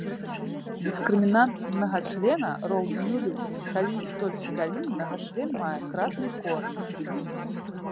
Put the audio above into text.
Дыскрымінант мнагачлена роўны нулю, калі і толькі калі мнагачлен мае кратны корань.